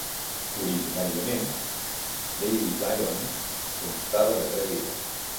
Originàriament, Davis Islands constava de tres illes.